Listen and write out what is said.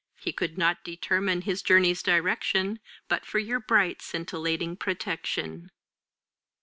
He could not determine his journey's direction But for your bright scintillating protection.